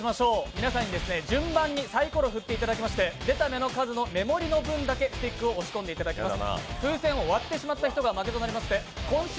皆さんに順番にサイコロを振っていただきまして出た目の数の目盛りの分だけスティックを押し込んでいただきます。